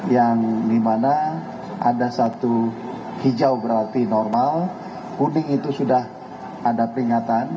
yang dimana ada satu hijau berarti normal kuning itu sudah ada peringatan